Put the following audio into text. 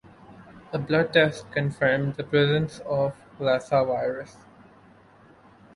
A blood test confirmed the presence of Lassa virus.